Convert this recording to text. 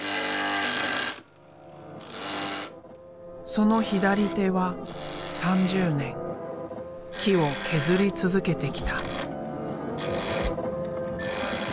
その左手は３０年木を削り続けてきた。